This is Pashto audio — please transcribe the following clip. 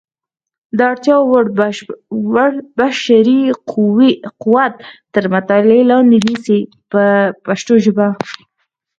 د اړتیا وړ بشري قوت تر مطالعې لاندې نیسي په پښتو ژبه.